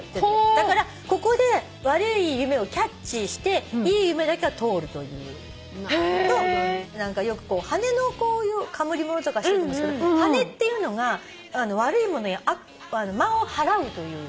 だからここで悪い夢をキャッチしていい夢だけが通るというのと何かよく羽根のこういうかぶり物とかしてると思うんですけど羽根っていうのが悪いものや魔をはらうという。